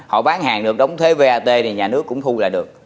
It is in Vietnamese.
họ bán hàng được đóng thuế vat thì nhà nước cũng thu lại được